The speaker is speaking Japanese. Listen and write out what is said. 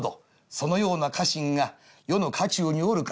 そのような家臣が余の家中におるか。